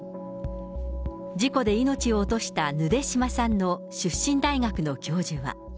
事故で命を落としたぬで島さんの出身大学の教授は。